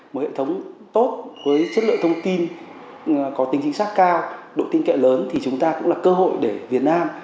một hệ thống tốt với chất lượng thông tin có tính chính xác cao độ tin kẹo lớn thì chúng ta cũng là cơ hội để việt nam